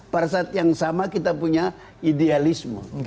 pada saat yang sama kita punya idealisme